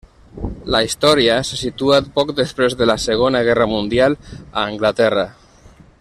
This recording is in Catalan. La història se situa poc després de la Segona guerra mundial, a Anglaterra.